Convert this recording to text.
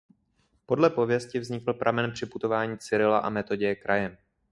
Podle pověsti vznikl pramen při putování Cyrila a Metoděje krajem.